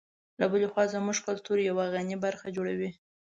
له بلې خوا زموږ کلتور یوه غني برخه جوړوي.